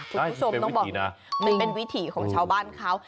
คุณผู้ชมต้องบอกนะเป็นวิถีของชาวบ้านเขา